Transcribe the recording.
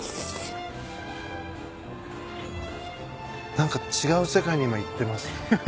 何か違う世界に今行ってます。